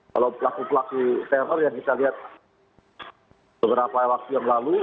kalau pelaku pelaku teror yang kita lihat beberapa waktu yang lalu